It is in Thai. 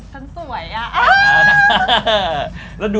ฉันสวยอะ